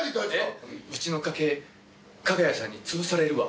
「うちの家計加賀谷さんにつぶされるわ」